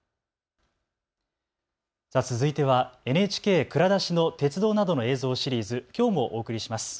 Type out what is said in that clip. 続いてはＮＨＫ蔵出しの鉄道などの映像シリーズ、きょうもお送りします。